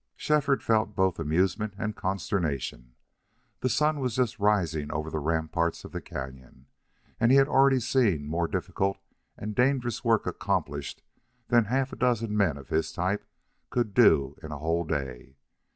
Shefford felt both amusement and consternation. The sun was just rising over the ramparts of the cañon, and he had already seen more difficult and dangerous work accomplished than half a dozen men of his type could do in a whole day.